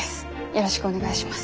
よろしくお願いします。